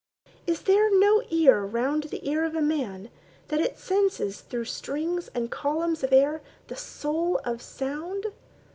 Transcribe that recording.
Is there no Ear round the ear of a man, that it senses Through strings and columns of air the soul of sound?